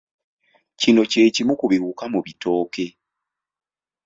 Kino kye kimu ku biwuka mu bitooke.